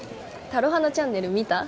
タロハナチャンネル見た？